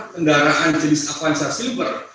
kendaraan jenis avanca silver